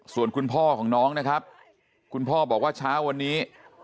ส่วนคุณพ่อของน้องนะครับคุณพ่อบอกว่าเช้าวันนี้